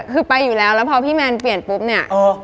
คือไปอยู่แล้วแล้วพอพี่แมนเปลี่ยนปุ๊บเนี่ย